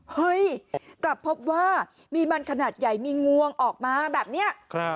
เฮ้ยกลับพบว่ามีมันขนาดใหญ่มีงวงออกมาแบบนี้